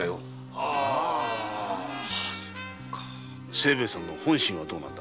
清兵衛さんの本心はどうなんだ？